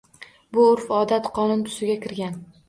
Bu urf-odat qonun tusiga kirgan.